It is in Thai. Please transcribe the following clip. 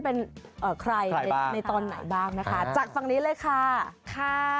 ใต้ตอนในในตอนใต้เบ้าก่อนข้าจากฝั่งนี้เลยค่า